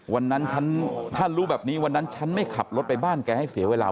วันนั้นฉันถ้ารู้แบบนี้วันนั้นฉันไม่ขับรถไปบ้านแกให้เสียเวลา